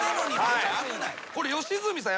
これ良純さん。